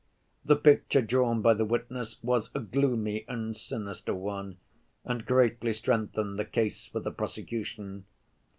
The picture drawn by the witness was a gloomy and sinister one, and greatly strengthened the case for the prosecution.